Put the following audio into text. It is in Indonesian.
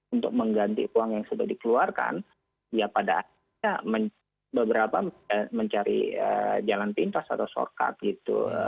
untuk mengganti uang yang sudah dikeluarkan ya pada akhirnya beberapa mencari jalan pintas atau shorcut gitu